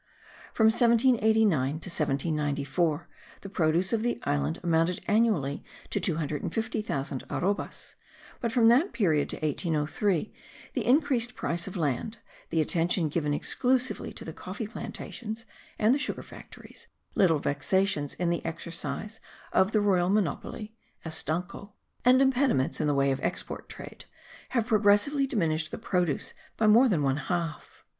From 1789 to 1794 the produce of the island amounted annually to 250,000 arrobas; but from that period to 1803 the increased price of land, the attention given exclusively to the coffee plantations and the sugar factories, little vexations in the exercise of the royal monopoly (estanco), and impediments in the way of export trade, have progressively diminished the produce by more than one half.